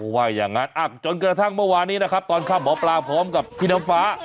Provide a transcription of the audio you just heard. ว่าอย่างนั้นจนกระทั่งเมื่อวานนี้นะครับตอนค่ำหมอปลาพร้อมกับพี่น้ำฟ้า